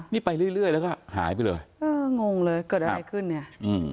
นี่ไปเรื่อยเรื่อยแล้วก็หายไปเลยเอองงเลยเกิดอะไรขึ้นเนี่ยอืม